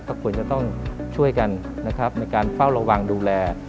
ก็ควรจะต้องช่วยกันนะครับในการเฝ้าระวังดูแล